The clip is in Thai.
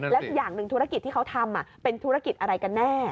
แล้วอย่างหนึ่งธุรกิจที่เขาทำเป็นธุรกิจอะไรกันแน่